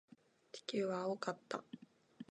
地球は青かった。